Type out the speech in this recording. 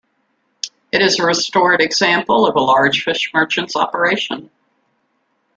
It is a restored example of a large fish merchant's operation.